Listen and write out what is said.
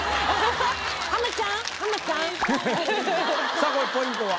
さぁこれポイントは？